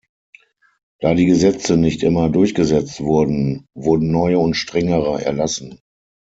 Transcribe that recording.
Da die Gesetze nicht immer durchgesetzt wurden, wurden neue und strengere erlassen.